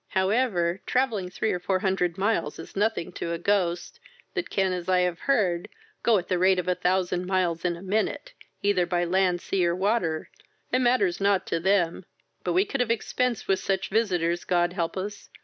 However, travelling three or four hundred miles is nothing to a ghost, that can, as I have heard, go at the rate of a thousand miles in a minute, either by land, sea, or water, it matters not to them; but we could have expenced with such visitors, God help us!